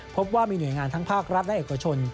พบว่ามีหน่วยงานทั้งภาครัฐและเอกชน